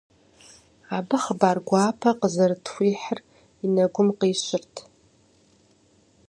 Абы хъыбар гуапэ къызэрытхуихьыр и нэгум къищырт.